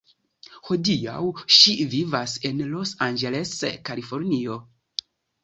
Hodiaŭ ŝi vivas en Los Angeles, Kalifornio.